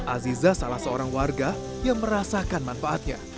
aziza salah seorang warga yang merasakan manfaatnya